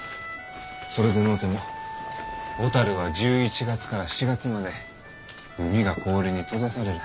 それでのうても小樽は１１月から４月まで海が氷に閉ざされる。